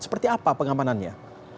seperti apa pengamanannya